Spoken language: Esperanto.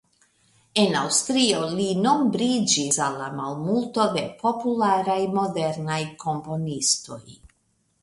En Aŭstrio li nombriĝis al la malmulto de popularaj modernaj komponistoj.